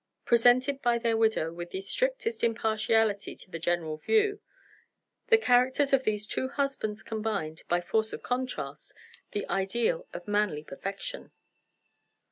Presented by their widow with the strictest impartiality to the general view, the characters of these two husbands combined, by force of contrast, the ideal of manly perfection.